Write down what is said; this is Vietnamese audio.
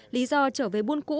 lý do trở về buôn cũ